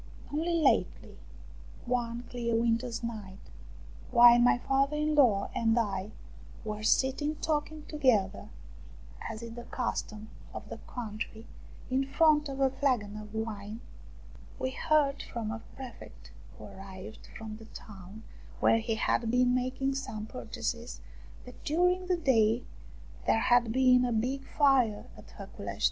Only lately, one clear winter's night, while my father in law and I were sitting talking together, as AT MANJOALA'S INN 49 is the custom of the country, in front of a flagon of wine, we heard from a prefect, who arrived from the town where he had been making some purchases, that during the day there had been a big fire at Haculeshti.